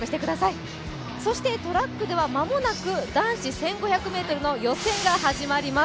トラックでは間もなく男子１５００ｍの予選が始まります。